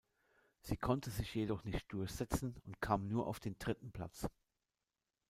Sie konnte sich jedoch nicht durchsetzen und kam nur auf den dritten Platz.